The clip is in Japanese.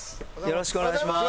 よろしくお願いします。